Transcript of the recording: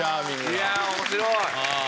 いやあ面白い。